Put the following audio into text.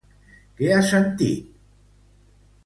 Què ha sentit Iglesias?